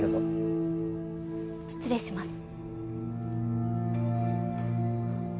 失礼します。